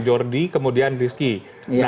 jordi kemudian rizky